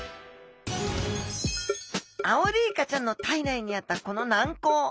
アオリイカちゃんの体内にあったこの軟甲。